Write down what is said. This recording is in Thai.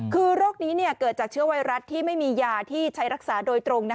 คือโรคนี้เกิดจากเชื้อไวรัสที่ไม่มียาที่ใช้รักษาโดยตรง